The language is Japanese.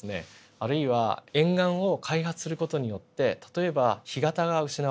あるいは沿岸を開発する事によって例えば干潟が失われてしまう。